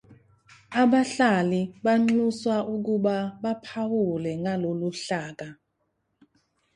Abahlali banxuswa ukuba baphawule ngalolu hlaka.